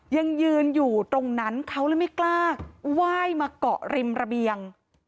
ยังยืนอยู่ตรงนั้นเขาเลยไม่กล้าไหว้มาเกาะริมระเบียง